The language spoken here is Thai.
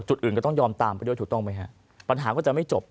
จุดอื่นก็ต้องยอมตามไปด้วยถูกต้องไหมฮะปัญหาก็จะไม่จบ